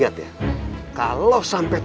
mau tumfrang empat